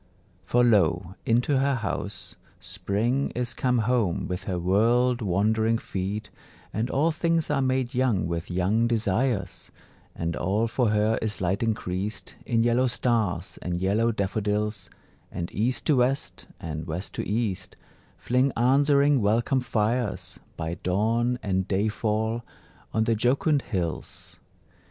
For lo, into her house Spring is come home with her world wandering feet, And all things are made young with young desires; And all for her is light increased In yellow stars and yellow daffodils, And East to West, and West to East, Fling answering welcome fires, By dawn and day fall, on the jocund hills.